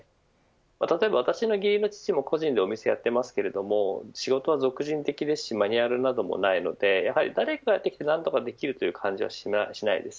例えば、私の義理の父も個人でお店をやっていますけど仕事が属人的ですしマニュアルなどもないので誰かがやってきて何とかできるという感じはしないです。